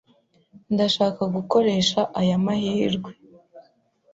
Ndashaka gukoresha aya mahirwe.